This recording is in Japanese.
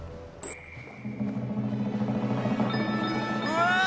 うわ！